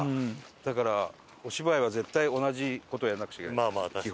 だからお芝居は絶対同じ事をやらなくちゃいけない基本。